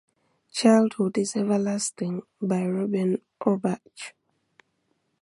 "Childhood is Everlasting" by Robin Orbach.